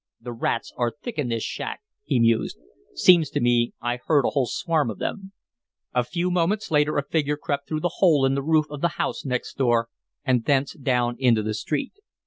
"The rats are thick in this shack," he mused. "Seems to me I heard a whole swarm of them." A few moments later a figure crept through the hole in the roof of the house next door and thence down into the street.